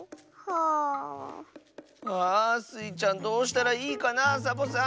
うわスイちゃんどうしたらいいかなサボさん。